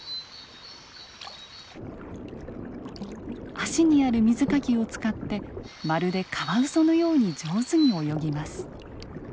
足にある水かきを使ってまるでカワウソのように上手に泳ぎます。